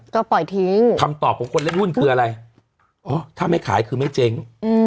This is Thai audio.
ก็ปล่อยทิ้งคำตอบของคนเล่นหุ้นคืออะไรอ๋อถ้าไม่ขายคือไม่เจ๊ง